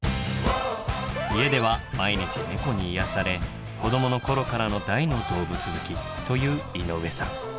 家では毎日猫に癒やされ子どもの頃からの大の動物好きという井上さん。